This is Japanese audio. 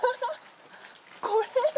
これ。